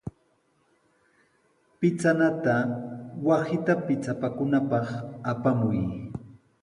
Pichanata wasita pichapakunapaq apamuy.